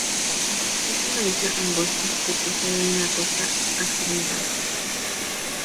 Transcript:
Es una isla angosta, que posee una costa accidentada.